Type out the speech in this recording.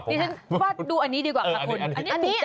ดิฉันว่าดูอันนี้ดีกว่าค่ะคุณ